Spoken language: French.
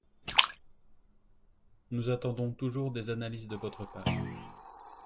Nous attendons toujours des analyses de votre part